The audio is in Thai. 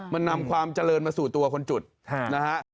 มันนำความเจริญมาสู่ตัวคนจุดนะฮะ